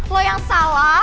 lo yang salah